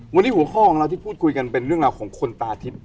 วันนี้หัวข้อของเราที่พูดคุยกันเป็นเรื่องราวของคนตาทิพย์